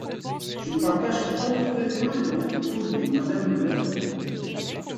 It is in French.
Je partage complètement les propos de Madame Le Meur.